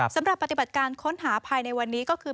สำหรับปฏิบัติการค้นหาภายในวันนี้ก็คือ